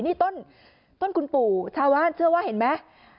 นี่ต้นคุณปู่ชาวบ้านเชื่อว่าเห็นไหม